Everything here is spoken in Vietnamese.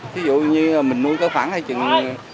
thí dụ như mình nuôi có khoảng